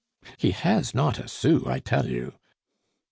"He has not a sou, I tell you."